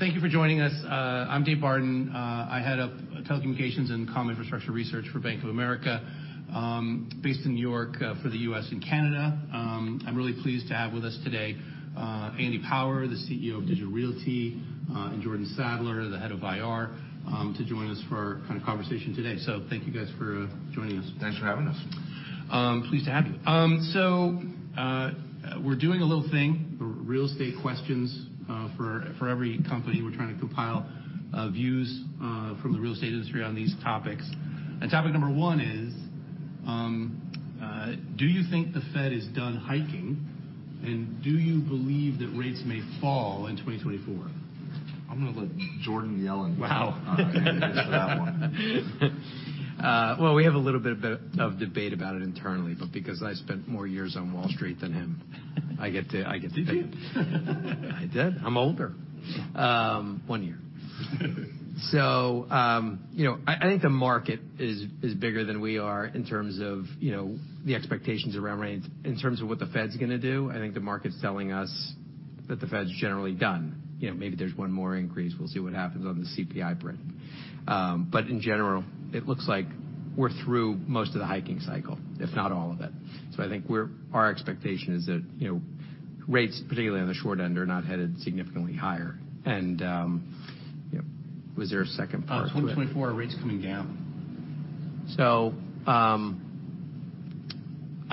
Thank you for joining us. I'm Dave Barden. I head up Telecommunications and Comm Infrastructure Research for Bank of America, based in New York, for the U.S. and Canada. I'm really pleased to have with us today, Andy Power, the CEO of Digital Realty, and Jordan Sadler, the head of IR, to join us for our kind of conversation today. So thank you guys for joining us. Thanks for having us. Pleased to have you. So, we're doing a little thing, real estate questions, for every company. We're trying to compile views from the real estate industry on these topics. And topic number one is, do you think the Fed is done hiking, and do you believe that rates may fall in 2024? I'm gonna let Jordan lead off. Wow. For that one. Well, we have a little bit of debate about it internally, but because I spent more years on Wall Street than him, I get to, I get to. Did you? I did. I'm older. One year. So, you know, I think the market is bigger than we are in terms of, you know, the expectations around rates. In terms of what the Fed's gonna do, I think the market's telling us that the Fed's generally done. You know, maybe there's one more increase. We'll see what happens on the CPI print. But in general, it looks like we're through most of the hiking cycle, if not all of it. So I think our expectation is that, you know, rates, particularly on the short end, are not headed significantly higher. And, you know, was there a second part to that? 2024, are rates coming down? So, I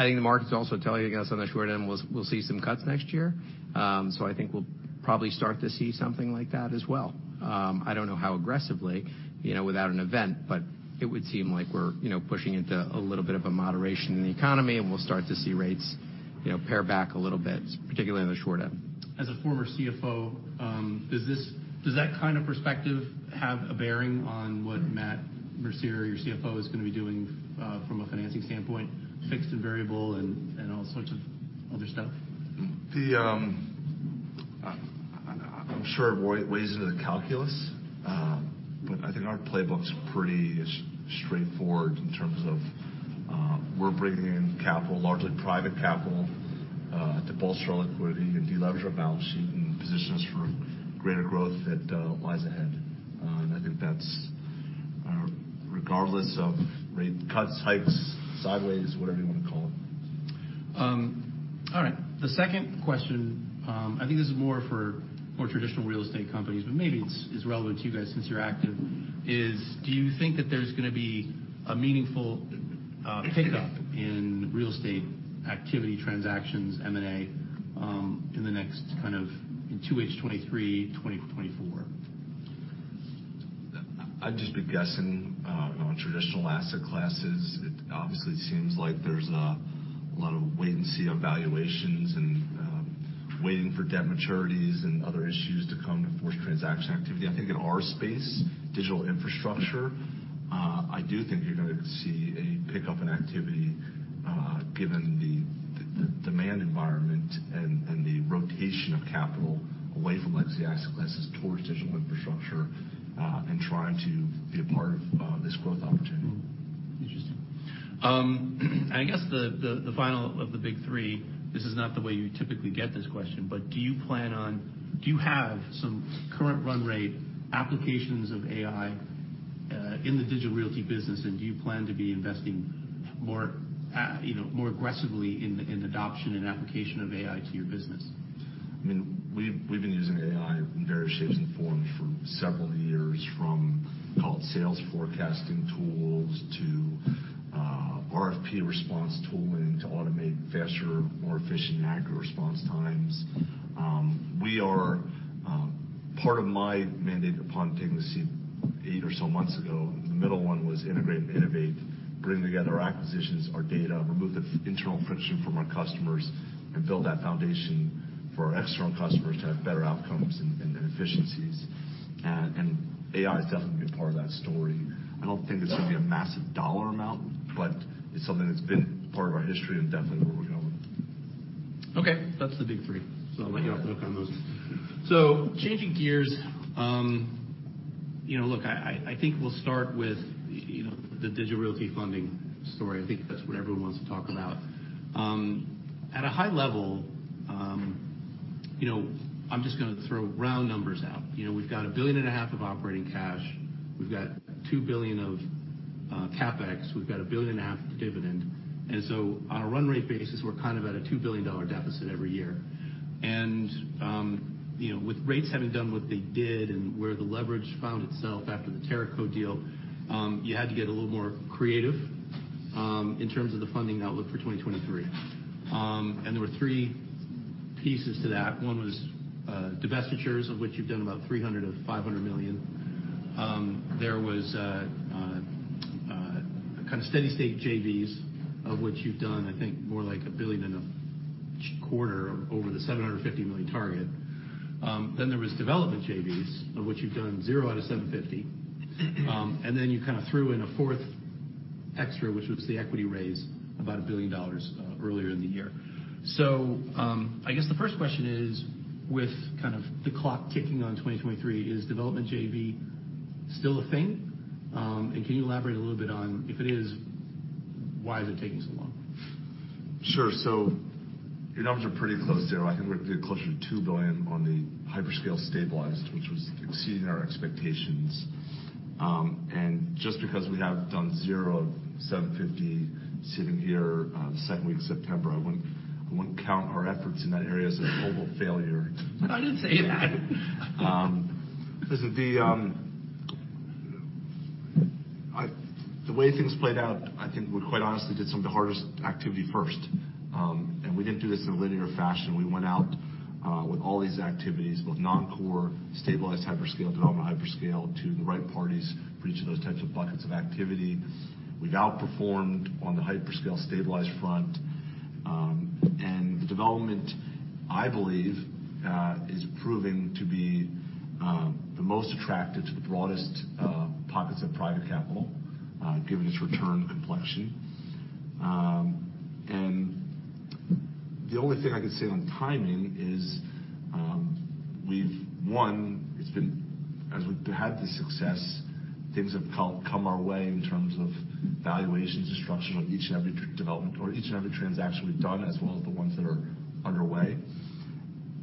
think the market's also telling us on the short end, we'll see some cuts next year. So I think we'll probably start to see something like that as well. I don't know how aggressively, you know, without an event, but it would seem like we're, you know, pushing into a little bit of a moderation in the economy, and we'll start to see rates, you know, pare back a little bit, particularly on the short end. As a former CFO, does that kind of perspective have a bearing on what Matt Mercier, your CFO, is gonna be doing, from a financing standpoint, fixed and variable, and all sorts of other stuff? I'm sure it weighs into the calculus. But I think our playbook's pretty straightforward in terms of we're bringing in capital, largely private capital, to bolster our liquidity and delever our balance sheet and position us for greater growth that lies ahead. And I think that's regardless of rate cuts, hikes, sideways, whatever you want to call it. All right, the second question, I think this is more for traditional real estate companies, but maybe it's relevant to you guys since you're active, is: Do you think that there's gonna be a meaningful pickup in real estate activity, transactions, M&A, in the next kind of in 2H 2023, 2024? I'd just be guessing on traditional asset classes. It obviously seems like there's a lot of wait-and-see on valuations and waiting for debt maturities and other issues to come to force transaction activity. I think in our space, digital infrastructure, I do think you're gonna see a pickup in activity given the demand environment and the rotation of capital away from legacy asset classes towards digital infrastructure and trying to be a part of this growth opportunity. Interesting. And I guess the final of the big three, this is not the way you typically get this question, but do you plan on—do you have some current run rate applications of AI in the Digital Realty business? And do you plan to be investing more, you know, more aggressively in the adoption and application of AI to your business? I mean, we've been using AI in various shapes and forms for several years, from call it sales forecasting tools to RFP response tooling to automate faster, more efficient and accurate response times. Part of my mandate upon taking the seat eight or so months ago, the middle one was integrate and innovate, bring together our acquisitions, our data, remove the internal friction from our customers, and build that foundation for our external customers to have better outcomes and efficiencies. And AI is definitely a big part of that story. I don't think it's gonna be a massive dollar amount, but it's something that's been part of our history and definitely where we're going. Okay, that's the big three. So I'll let you off the hook on those. So changing gears, you know, look, I think we'll start with, you know, the Digital Realty funding story. I think that's what everyone wants to talk about. At a high level, you know, I'm just gonna throw round numbers out. You know, we've got $1.5 billion of operating cash. We've got $2 billion of CapEx. We've got $1.5 billion dividend. And so on a run rate basis, we're kind of at a $2 billion deficit every year. And, you know, with rates having done what they did and where the leverage found itself after the Teraco deal, you had to get a little more creative, in terms of the funding outlook for 2023. And there were three pieces to that. One was, divestitures, of which you've done about $300 million of $500 million. There was a kind of steady state JVs, of which you've done, I think, more like $1.25 billion over the $750 million target. Then there was development JVs, of which you've done zero out of 750. And then you kind of threw in a fourth extra, which was the equity raise, about $1 billion earlier in the year. So, I guess the first question is, with kind of the clock ticking on 2023, is development JV still a thing? And can you elaborate a little bit on, if it is, why it is taking so long? Sure. So your numbers are pretty close to, I think, we're closer to $2 billion on the hyperscale stabilized, which was exceeding our expectations. And just because we have done zero of 750 sitting here, second week of September, I wouldn't count our efforts in that area as a total failure. I didn't say that. Listen, the way things played out, I think we, quite honestly, did some of the hardest activity first. And we didn't do this in a linear fashion. We went out with all these activities, both non-core, stabilized hyperscale, development hyperscale, to the right parties for each of those types of buckets of activity. We've outperformed on the hyperscale stabilized front. And the development, I believe, is proving to be the most attractive to the broadest pockets of private capital, given its return complexion. And the only thing I can say on timing is, we've won. It's been. As we've had this success, things have come our way in terms of valuations and structure of each and every development or each and every transaction we've done, as well as the ones that are underway.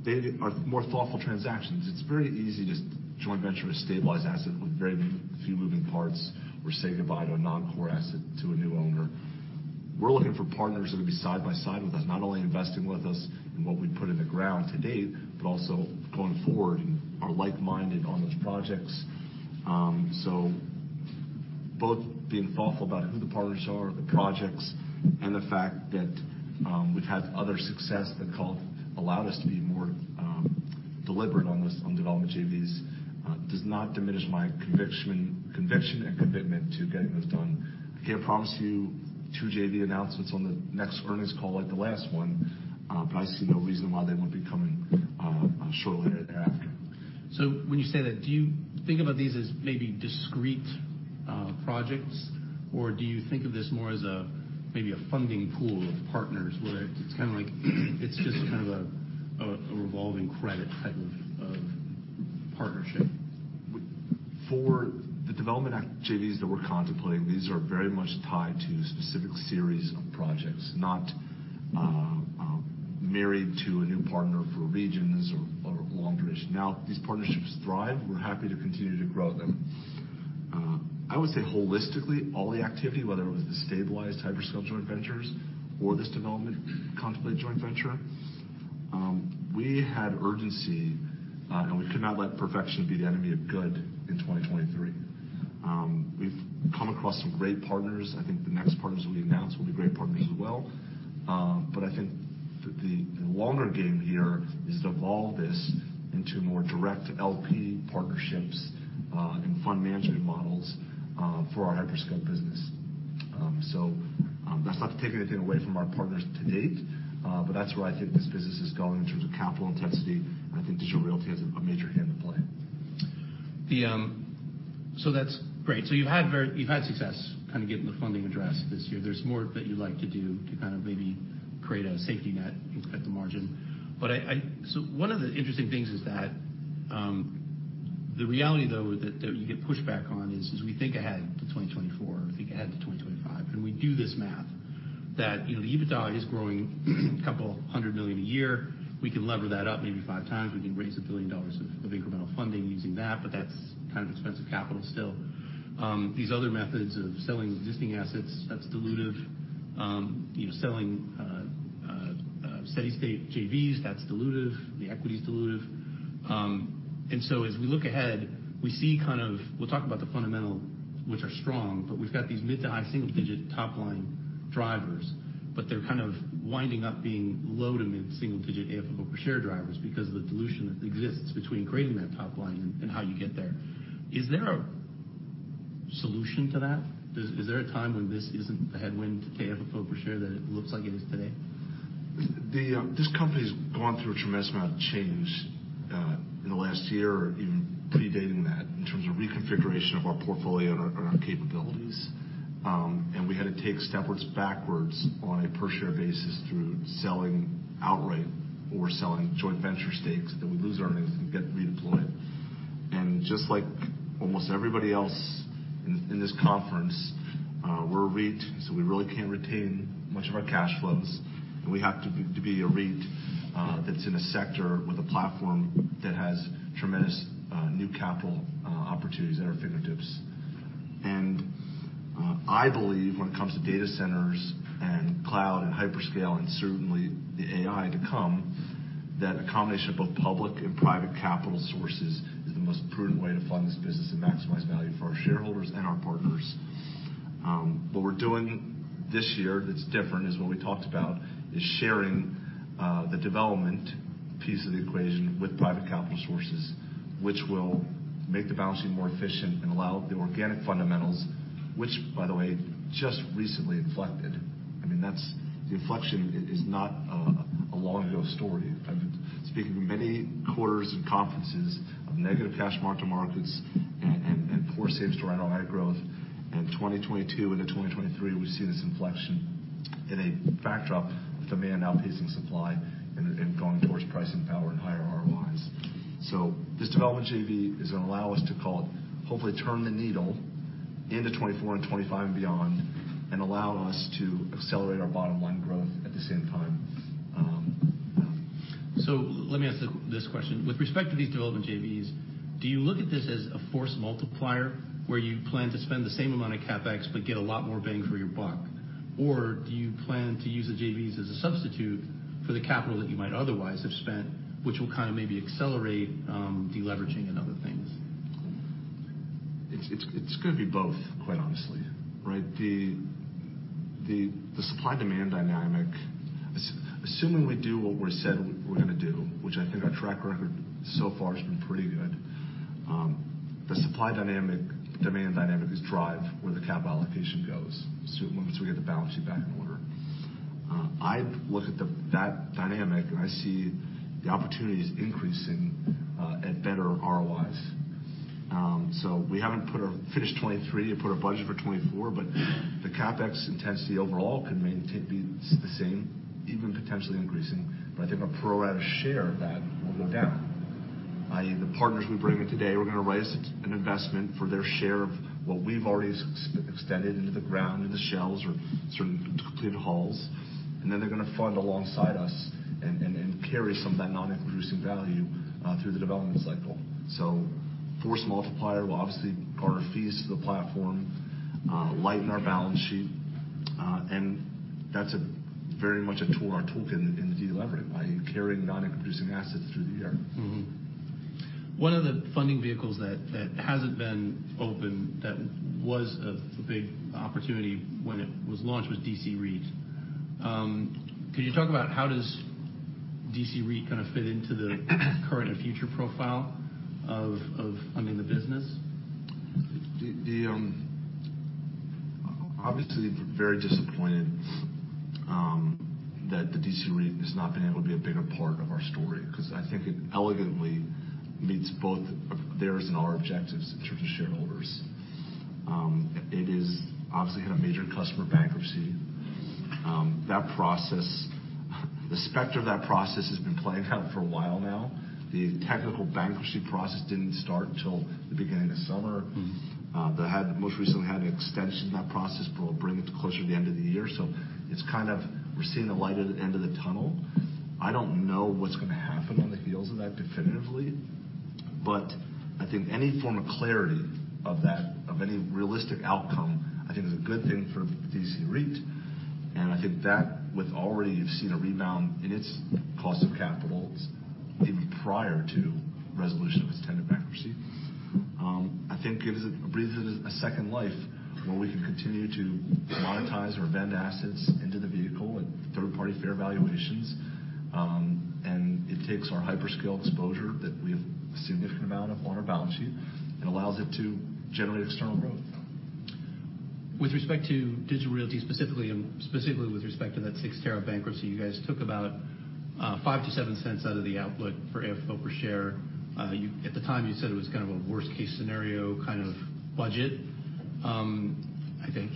They are more thoughtful transactions. It's very easy to just joint venture a stabilized asset with very few moving parts or say goodbye to a non-core asset to a new owner. We're looking for partners that are gonna be side by side with us, not only investing with us in what we put in the ground to date, but also going forward and are like-minded on those projects. So both being thoughtful about who the partners are, the projects, and the fact that, we've had other success that allowed us to be more deliberate on this, on development JVs, does not diminish my conviction and commitment to getting this done. I can't promise you two JV announcements on the next earnings call like the last one, but I see no reason why they wouldn't be coming, shortly thereafter. So when you say that, do you think about these as maybe discrete projects, or do you think of this more as maybe a funding pool of partners, where it's kind of like, it's just kind of a revolving credit type of partnership? For the development activities that we're contemplating, these are very much tied to a specific series of projects, not married to a new partner for regions or longer issue. Now, these partnerships thrive, we're happy to continue to grow them. I would say holistically, all the activity, whether it was the stabilized hyperscale joint ventures or this development contemplated joint venture, we had urgency, and we could not let perfection be the enemy of good in 2023. We've come across some great partners. I think the next partners we announce will be great partners as well. But I think the longer game here is to evolve this into more direct LP partnerships, and fund management models, for our hyperscale business. That's not to take anything away from our partners to date, but that's where I think this business is going in terms of capital intensity, and I think Digital Realty has a major hand to play. So that's great. So you've had success kind of getting the funding addressed this year. There's more that you'd like to do to kind of maybe create a safety net at the margin. But so one of the interesting things is that the reality, though, that you get pushback on is, as we think ahead to 2024, think ahead to 2025, and we do this math that, you know, the EBITDA is growing $200 million a year. We can lever that up maybe 5x. We can raise $1 billion of incremental funding using that, but that's kind of expensive capital still. These other methods of selling existing assets, that's dilutive. You know, selling steady-state JVs, that's dilutive. The equity is dilutive and so as we look ahead, we see kind of. We'll talk about the fundamental, which are strong, but we've got these mid- to high-single-digit top line drivers, but they're kind of winding up being low- to mid-single-digit AFFO per share drivers because of the dilution that exists between creating that top line and how you get there. Is there a solution to that? Is there a time when this isn't a headwind to AFFO per share than it looks like it is today? This company's gone through a tremendous amount of change in the last year or even predating that, in terms of reconfiguration of our portfolio and our capabilities. And we had to take steps backwards on a per share basis through selling outright or selling joint venture stakes, that we lose earnings and get redeployed. Just like almost everybody else in this conference, we're a REIT, so we really can't retain much of our cash flows, and we have to be, to be a REIT, that's in a sector with a platform that has tremendous new capital opportunities at our fingertips. I believe when it comes to data centers and cloud and hyperscale and certainly the AI to come, that a combination of both public and private capital sources is the most prudent way to fund this business and maximize value for our shareholders and our partners. What we're doing this year that's different is what we talked about, is sharing the development piece of the equation with private capital sources, which will make the balancing more efficient and allow the organic fundamentals, which, by the way, just recently inflected. I mean, that's the inflection is not a long ago story. I'm speaking many quarters and conferences of negative cash mark-to-markets and poor capex to revenue line growth. In 2022 into 2023, we've seen this inflection in a backdrop with demand outpacing supply and going towards pricing power and higher ROIs. So this development JV is gonna allow us to call, hopefully turn the needle into 2024 and 2025 and beyond, and allow us to accelerate our bottom line growth at the same time. So let me ask this question: With respect to these development JVs, do you look at this as a force multiplier, where you plan to spend the same amount of CapEx but get a lot more bang for your buck? Or do you plan to use the JVs as a substitute for the capital that you might otherwise have spent, which will kind of maybe accelerate, deleveraging and other things? It's gonna be both, quite honestly, right? The supply-demand dynamic, assuming we do what we said we're gonna do, which I think our track record so far has been pretty good, the supply dynamic, demand dynamic drives where the capital allocation goes, so once we get the balance sheet back in order. I look at that dynamic, and I see the opportunities increasing at better ROIs. So we haven't finished 2023 to put a budget for 2024, but the CapEx intensity overall could be the same, even potentially increasing, but I think our pro rata share of that will go down. I.e., the partners we bring in today, we're gonna raise an investment for their share of what we've already extended into the ground, in the shells or certain completed halls, and then they're gonna fund alongside us and carry some of that non-increasing value through the development cycle. So force multiplier will obviously bar fees to the platform, lighten our balance sheet, and that's very much a tool in our toolkit in delevering, i.e., carrying non-producing assets through the year. One of the funding vehicles that hasn't been open, that was a big opportunity when it was launched, was DC REIT. Could you talk about how does DC REIT kind of fit into the current and future profile of funding the business? Obviously, very disappointed that the DC REIT has not been able to be a bigger part of our story, because I think it elegantly meets both theirs and our objectives in terms of shareholders. It is obviously had a major customer bankruptcy. That process, the specter of that process has been playing out for a while now. The technical bankruptcy process didn't start until the beginning of summer. They most recently had an extension to that process, but will bring it closer to the end of the year. So it's kind of we're seeing the light at the end of the tunnel. I don't know what's gonna happen on the heels of that definitively, but I think any form of clarity of that, of any realistic outcome, I think is a good thing for DC REIT, and I think that with already you've seen a rebound in its cost of capital, even prior to resolution of its tenant bankruptcy. I think it is a, breathes a second life, where we can continue to monetize or vend assets into the vehicle at third-party fair valuations. And it takes our hyperscale exposure that we have a significant amount of on our balance sheet and allows it to generate external growth. With respect to Digital Realty, specifically, and specifically with respect to that Cyxtera bankruptcy, you guys took about $0.05-$0.07 out of the output for AFFO per share. At the time, you said it was kind of a worst-case scenario kind of budget. I think,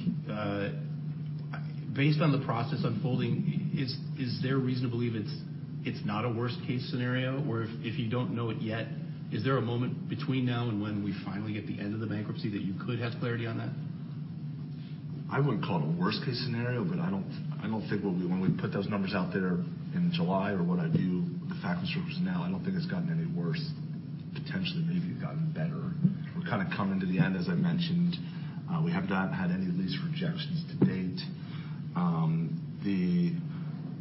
based on the process unfolding, is there reason to believe it's not a worst-case scenario? Or if you don't know it yet, is there a moment between now and when we finally get the end of the bankruptcy, that you could have clarity on that? I wouldn't call it a worst-case scenario, but I don't, I don't think when we, when we put those numbers out there in July or what I do with the facts and circumstances now, I don't think it's gotten any worse. Potentially, maybe it's gotten better. We're kind of coming to the end, as I mentioned. We have not had any of these rejections to date.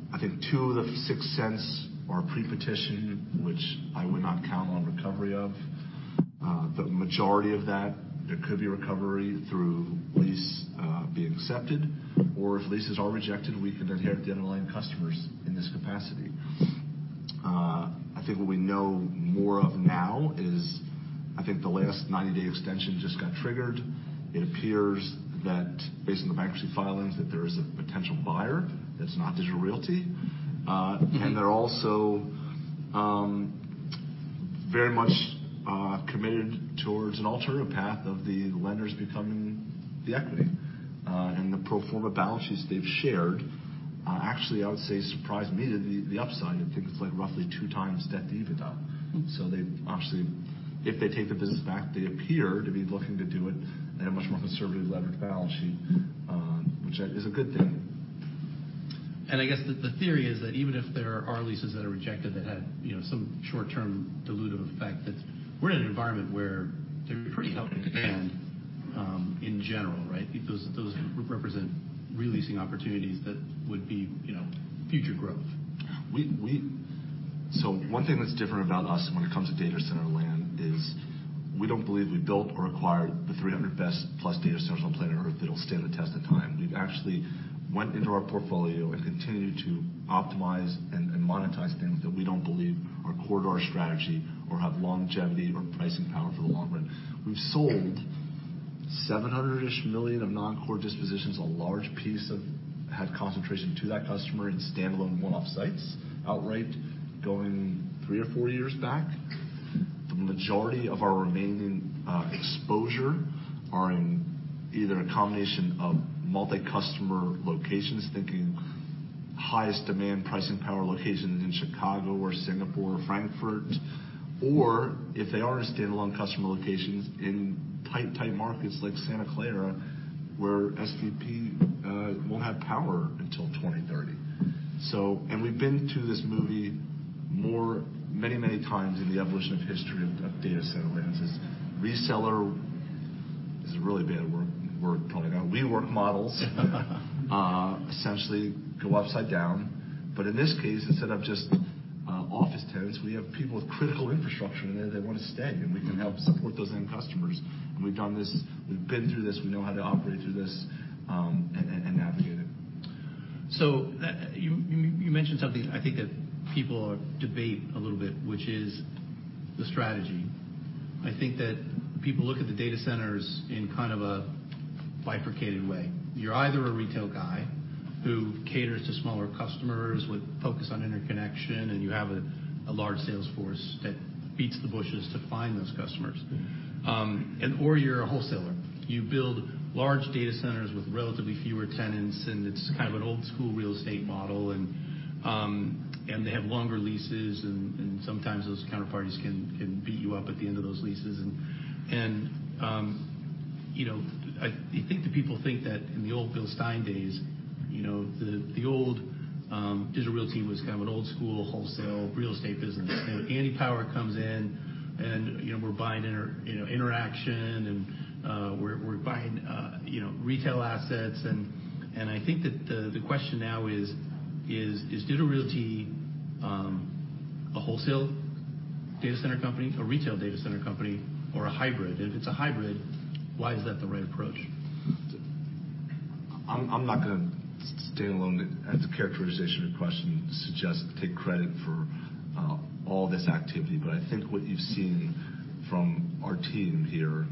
I think 2 of the Cyxtera tenants are pre-petition, which I would not count on recovery of. The majority of that, there could be recovery through lease being accepted, or if leases are rejected, we can inherit the underlying customers in this capacity. I think what we know more of now is, I think the latest 90-day extension just got triggered. It appears that based on the bankruptcy filings, that there is a potential buyer that's not Digital Realty. They're also very much committed towards an alternative path of the lenders becoming the equity. The pro forma balances they've shared, actually, I would say, surprised me the upside. I think it's like roughly 2x debt to EBITDA. They obviously, if they take the business back, they appear to be looking to do it, and they have a much more conservatively levered balance sheet, which is a good thing. I guess the theory is that even if there are leases that are rejected, that have, you know, some short-term dilutive effect, that we're in an environment where they're pretty healthy again, in general, right? Because those represent re-leasing opportunities that would be, you know, future growth. So one thing that's different about us when it comes to data center land is, we don't believe we built or acquired the 300 best plus data centers on the planet Earth that'll stand the test of time. We've actually went into our portfolio and continued to optimize and monetize things that we don't believe are core to our strategy or have longevity or pricing power for the long run. We've sold $700-ish million of non-core dispositions, a large piece of had concentration to that customer in standalone one-off sites, outright going 3 or 4 years back. The majority of our remaining exposure are in either a combination of multi-customer locations, thinking highest demand pricing power locations in Chicago or Singapore or Frankfurt. Or if they are standalone customer locations in tight, tight markets like Santa Clara, where SVP won't have power until 2030. So, and we've been to this movie many, many times in the evolution of history of, of data center advances. Reseller is a really bad word, word coming out. WeWork models essentially go upside down. But in this case, instead of just, office tenants, we have people with critical infrastructure in there. They want to stay, and we can help support those end customers. And we've done this, we've been through this. We know how to operate through this, and, navigate it. So, you mentioned something I think that people debate a little bit, which is the strategy. I think that people look at the data centers in kind of a bifurcated way. You're either a retail guy who caters to smaller customers with focus on interconnection, and you have a large sales force that beats the bushes to find those customers. And or you're a wholesaler. You build large data centers with relatively fewer tenants, and it's kind of an old school real estate model, and, and they have longer leases, and, and, you know, I think that people think that in the old Bill Stein days, you know, the old Digital Realty was kind of an old school, wholesale real estate business. You know, Andy Power comes in and, you know, we're buying interconnection, and we're buying, you know, retail assets. And I think that the question now is, is Digital Realty a wholesale data center company, a retail data center company, or a hybrid? And if it's a hybrid, why is that the right approach? I'm not gonna stand alone as a characterization or question, suggest, take credit for all this activity. But I think what you've seen from our team here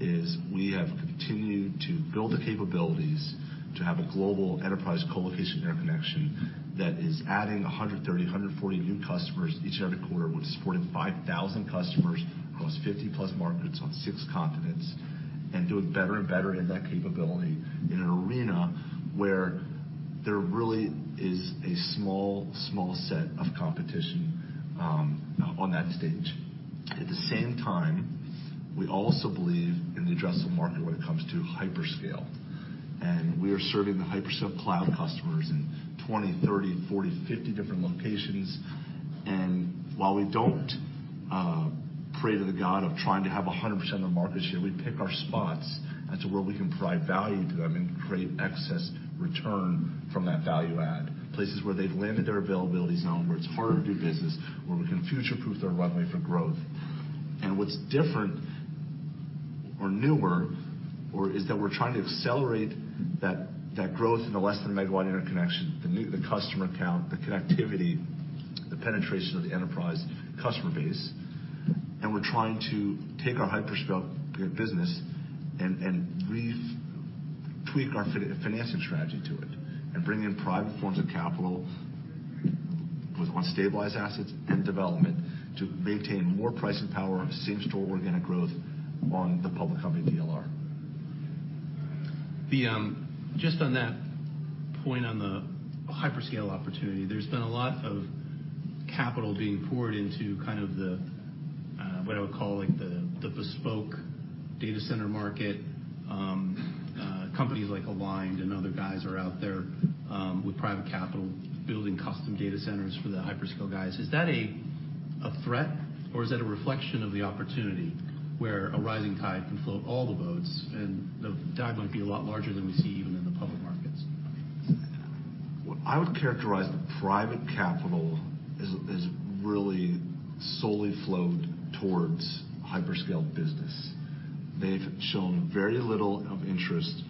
is we have continued to build the capabilities to have a global enterprise colocation interconnection that is adding 130, 140 new customers each and every quarter. We've supported 5,000 customers across 50+ markets on six continents, and doing better and better in that capability in an arena where there really is a small, small set of competition on that stage. At the same time, we also believe in the addressable market when it comes to hyperscale, and we are serving the hyperscale cloud customers in 20, 30, 40, 50 different locations. While we don't pray to the god of trying to have 100% of the market share, we pick our spots as to where we can provide value to them and create excess return from that value add. Places where they've landed their Availability Zone, where it's harder to do business, where we can future-proof their runway for growth. And what's different or newer, or is that we're trying to accelerate that growth in the less-than-megawatt interconnection, the customer count, the connectivity, the penetration of the enterprise customer base. And we're trying to take our hyperscale business and re-tweak our financing strategy to it, and bring in private forms of capital with non-stabilized assets and development, to maintain more pricing power and same-store organic growth on the public company DLR. Just on that point, on the hyperscale opportunity, there's been a lot of capital being poured into kind of the what I would call, like, the bespoke data center market. Companies like Aligned and other guys are out there with private capital, building custom data centers for the hyperscale guys. Is that a threat, or is that a reflection of the opportunity, where a rising tide can float all the boats, and the tide might be a lot larger than we see even in the public markets? What I would characterize the private capital as really solely flowed towards hyperscale business. They've shown very little of interest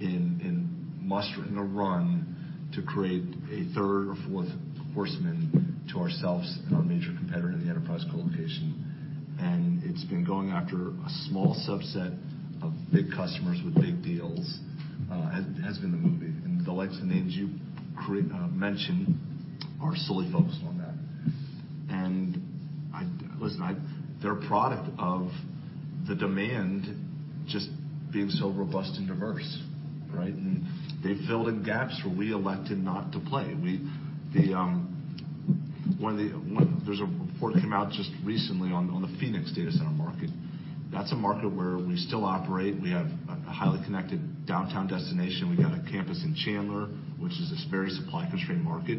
in mustering a run to create a third or fourth horseman to ourselves and our major competitor in the enterprise colocation. And it's been going after a small subset of big customers with big deals, has been the movie. And the likes and names you create mentioned are solely focused on that. And they're a product of the demand just being so robust and diverse, right? And they filled in gaps where we elected not to play. We, there's a report that came out just recently on the Phoenix data center market. That's a market where we still operate, and we have a highly connected downtown destination. We got a campus in Chandler, which is this very supply-constrained market.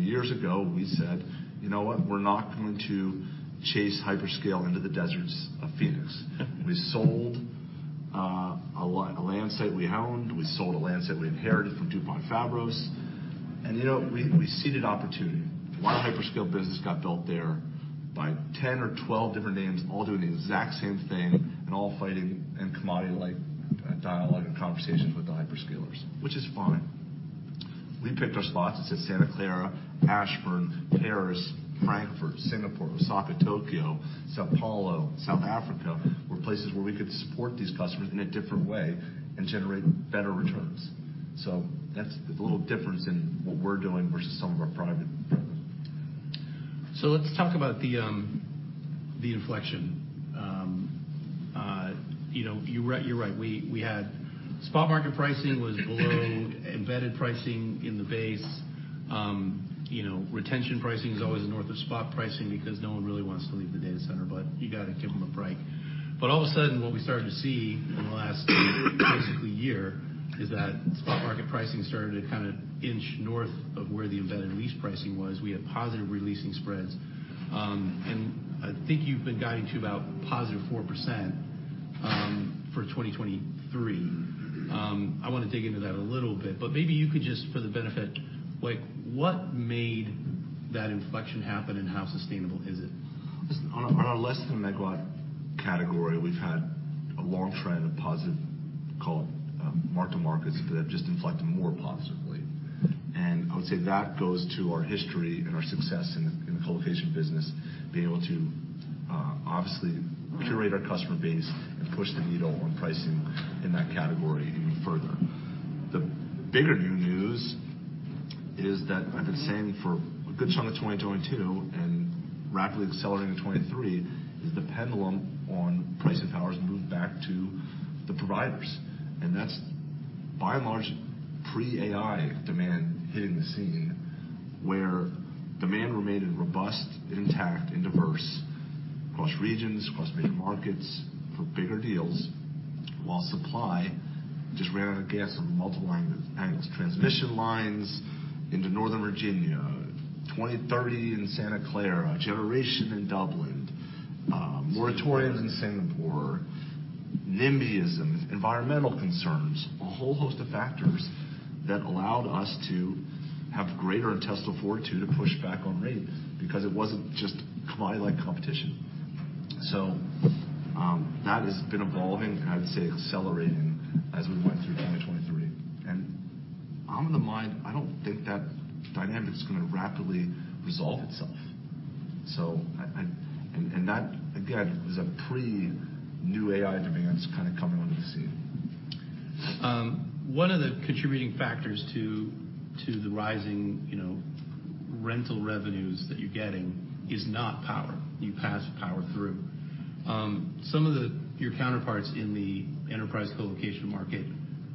Years ago, we said: You know what? We're not going to chase hyperscale into the deserts of Phoenix. We sold a land site we owned, we sold a land site we inherited from DuPont Fabros. You know, we ceded opportunity. A lot of hyperscale business got built there by 10 or 12 different names, all doing the exact same thing and all fighting and commodity like dialogue and conversations with the hyperscalers, which is fine. We picked our spots. It's at Santa Clara, Ashburn, Paris, Frankfurt, Singapore, Osaka, Tokyo, São Paulo, South Africa, were places where we could support these customers in a different way and generate better returns. So that's the little difference in what we're doing versus some of our private. So let's talk about the inflection. You know, you're right, you're right. We had spot market pricing was below embedded pricing in the base. You know, retention pricing is always north of spot pricing because no one really wants to leave the data center, but you got to give them a break. But all of a sudden, what we started to see in the last basically year, is that spot market pricing started to kind of inch north of where the embedded lease pricing was. We had positive re-leasing spreads. I think you've been guiding to about positive 4%, for 2023. I want to dig into that a little bit, but maybe you could just for the benefit, like, what made that inflection happen, and how sustainable is it? Listen, on our less than a megawatt category, we've had a long trend of positive mark-to-markets that have just inflected more positively. I would say that goes to our history and our success in the colocation business, being able to obviously curate our customer base and push the needle on pricing in that category even further. The bigger new news is that I've been saying for a good chunk of 2022, and rapidly accelerating in 2023, is the pendulum on pricing power has moved back to the providers, and that's by and large pre-AI demand hitting the scene. Where demand remained robust and intact and diverse across regions, across major markets for bigger deals, while supply just ran out of gas on multiple angles, transmission lines into Northern Virginia, 2030 in Santa Clara, generation in Dublin, moratoriums in Singapore, nimbyism, environmental concerns. A whole host of factors that allowed us to have greater intestinal fortitude to push back on rate, because it wasn't just commodity-like competition. So, that has been evolving and I would say, accelerating as we went through 2023. And I'm of the mind, I don't think that dynamic is gonna rapidly resolve itself. So I, and that, again, was a pre-new AI demands kind of coming onto the scene. One of the contributing factors to the rising, you know, rental revenues that you're getting is not power. You pass power through. Some of your counterparts in the enterprise colocation market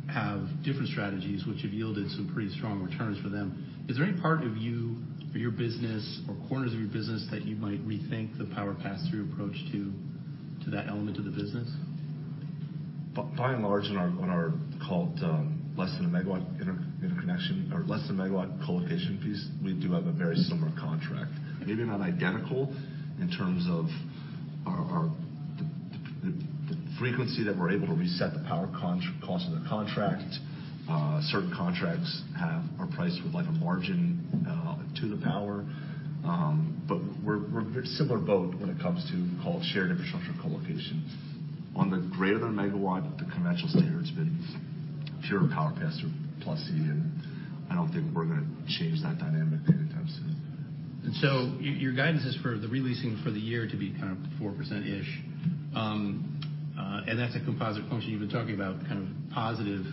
have different strategies which have yielded some pretty strong returns for them. Is there any part of you or your business or corners of your business that you might rethink the power pass-through approach to that element of the business? By and large, in our call it less than 1 MW interconnection or less than 1 MW colocation piece, we do have a very similar contract, maybe not identical, in terms of the frequency that we're able to reset the power cost of the contract. Certain contracts are priced with, like, a margin to the power. But we're similar boat when it comes to called shared infrastructure colocation. On the greater than 1 MW, the conventional standard has been pure power pass-through +C, and I don't think we're gonna change that dynamic anytime soon. So your, your guidance is for the re-leasing for the year to be kind of 4%-ish. And that's a composite function you've been talking about, kind of positive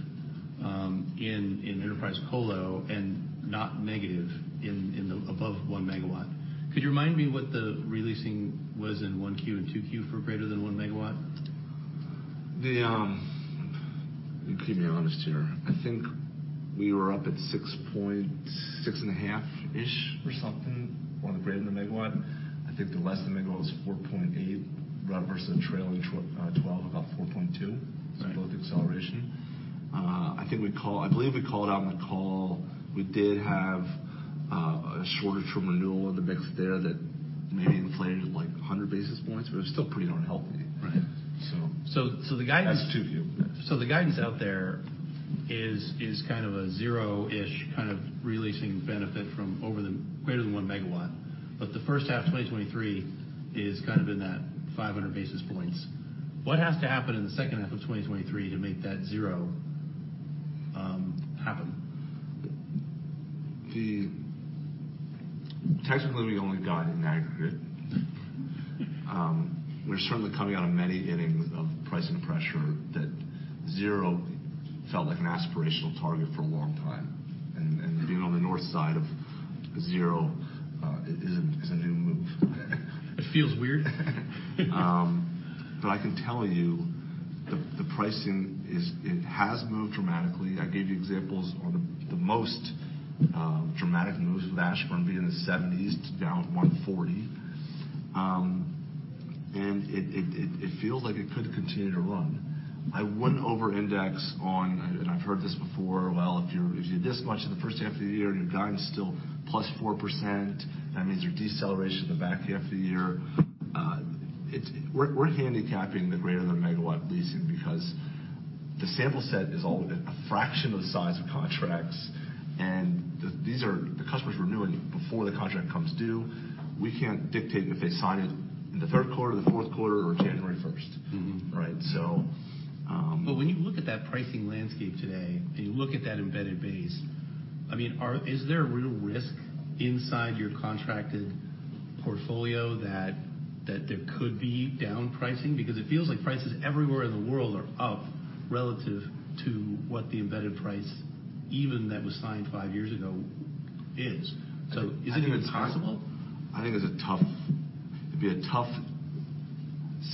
in enterprise colo, and not negative in the above 1 MW. Could you remind me what the re-leasing was in 1Q and 2Q for greater than 1 MW? You keep me honest here. I think we were up at 6.6 and 1/2-ish or something on the greater than a megawatt. I think the less than megawatt was 4.8, versus the trailing twelve, about 4.2. Right. So both acceleration. I think we called, I believe we called out on the call, we did have a shortage from renewal in the mix there that maybe inflated, like, 100 basis points, but it's still pretty darn healthy. Right. So. So, the guidance. That's 2 view. So the guidance out there is kind of a zero-ish kind of re-leasing benefit from over the greater than 1 MW, but the first half of 2023 is kind of in that 500 basis points. What has to happen in the second half of 2023 to make that zero happen? Technically, we only guide in aggregate. We're certainly coming out of many innings of pricing pressure that zero felt like an aspirational target for a long time, and being on the north side of zero, is a new move. It feels weird? But I can tell you, the pricing is, it has moved dramatically. I gave you examples on the most dramatic moves, Ashburn being in the $70s-$140. And it feels like it could continue to run. I wouldn't overindex on, and I've heard this before, well, if you're this much in the first half of the year and your guide is still +4%, that means you're deceleration in the back half of the year. We're handicapping the greater than a megawatt leasing, because the sample set is only a fraction of the size of contracts, and these are the customers renewing before the contract comes due. We can't dictate if they sign it in the third quarter, the fourth quarter, or January first. Right, so, But when you look at that pricing landscape today, and you look at that embedded base, I mean, is there a real risk inside your contracted portfolio that there could be down pricing? Because it feels like prices everywhere in the world are up relative to what the embedded price is, even that was signed five years ago is. So is it even possible? I think it's a tough, it'd be a tough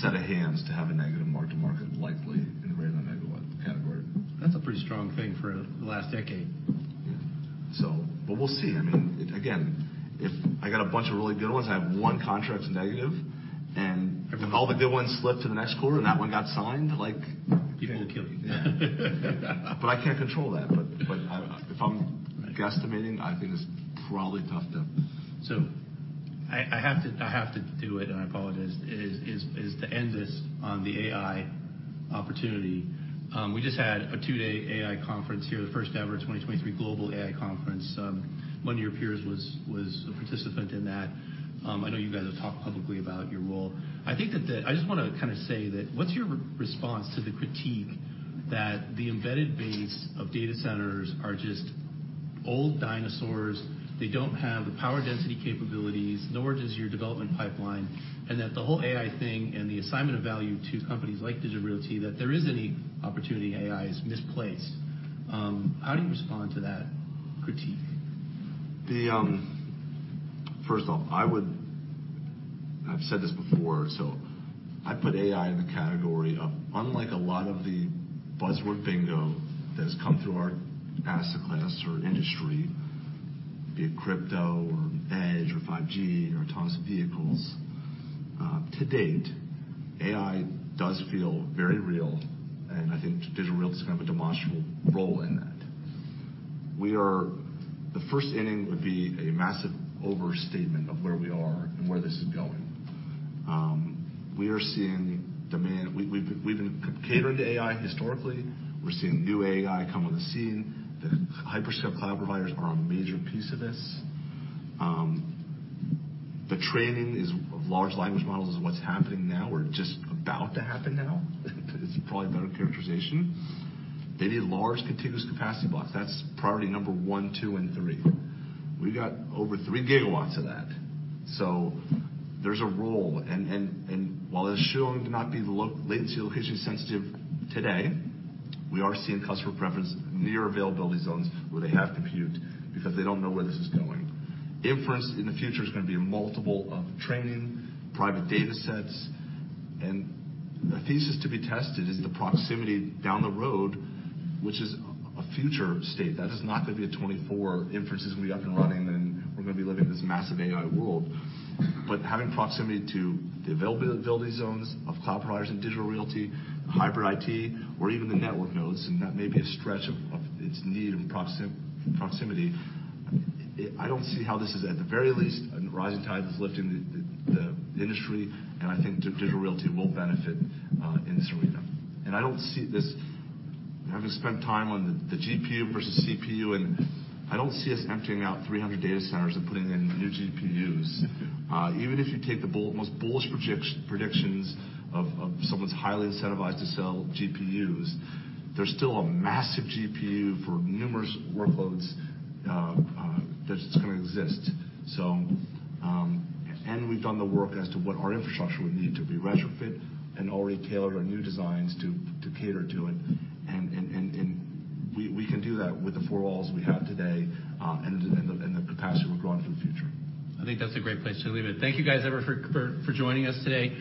set of hands to have a negative Mark-to-Market, likely in a greater than megawatt category. That's a pretty strong thing for the last decade. So, but we'll see. I mean, again, if I got a bunch of really good ones, I have one contract's negative, and if all the good ones slip to the next quarter, and that one got signed, like. People will kill you. Yeah. But I can't control that. But, but I, if I'm guesstimating, I think it's probably tough to. So I have to do it, and I apologize, to end this on the AI opportunity. We just had a two-day AI conference here, the first-ever 2023 global AI conference. One of your peers was a participant in that. I know you guys have talked publicly about your role. I think that the, I just want to kind of say that, what's your response to the critique that the embedded base of data centers are just old dinosaurs, they don't have the power density capabilities, nor does your development pipeline, and that the whole AI thing and the assignment of value to companies like Digital Realty, that there is any opportunity, AI is misplaced. How do you respond to that critique? First off, I've said this before, so I put AI in the category of, unlike a lot of the buzzword bingo that has come through our asset class or industry, be it crypto or edge or 5G or autonomous vehicles, to date, AI does feel very real, and I think Digital Realty is gonna have a demonstrable role in that. The first inning would be a massive overstatement of where we are and where this is going. We are seeing demand. We've been catering to AI historically. We're seeing new AI come on the scene. The hyperscale cloud providers are a major piece of this. The training of large language models is what's happening now or just about to happen now. It's probably a better characterization. They need large, continuous capacity blocks. That's priority number one, two, and three. We got over 3 GW of that, so there's a role. And while it's shown to not be low-latency, location sensitive today, we are seeing customer preference near Availability Zones where they have compute because they don't know where this is going. Inference in the future is gonna be a multiple of training, private data sets, and the thesis to be tested is the proximity down the road, which is a future state. That is not gonna be a 24 inferences will be up and running, and we're gonna be living in this massive AI world. But having proximity to the Availability Zones of cloud providers and Digital Realty, hybrid IT, or even the network nodes, and that may be a stretch of its need and proximity. I don't see how this is at the very least, a rising tide is lifting the industry, and I think Digital Realty will benefit in this arena. And I don't see this, having spent time on the GPU versus CPU, and I don't see us emptying out 300 data centers and putting in new GPUs. Even if you take the most bullish projections of someone's highly incentivized to sell GPUs, there's still a massive GPU for numerous workloads that's gonna exist. So, and we've done the work as to what our infrastructure would need to be retrofit and already tailored our new designs to cater to it. And we can do that with the four walls we have today, and the capacity we're growing for the future. I think that's a great place to leave it. Thank you, guys, everyone, for, for joining us today.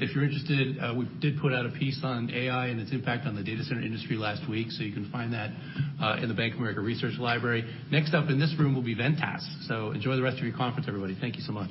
If you're interested, we did put out a piece on AI and its impact on the data center industry last week, so you can find that, in the Bank of America Research Library. Next up in this room will be Ventas. So enjoy the rest of your conference, everybody. Thank you so much.